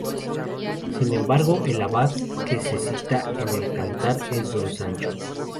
Sin embargo el abad que se cita en el cantar es Don Sancho.